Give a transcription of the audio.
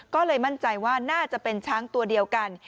ก็เลยมั่นใจว่าน่าจะเป็นช้างตัวเดียวกัน